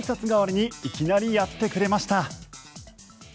代わりにいきなりやってくれました。